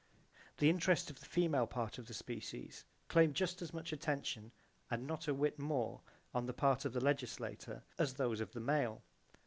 The interest of the female part of the species claim just as much attention, and not a whit more, on the part of the legislator, as those of the male.